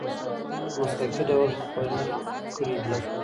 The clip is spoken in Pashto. په مسلکي ډول خپرې کړې دي.